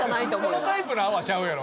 そのタイプの泡ちゃうやろ。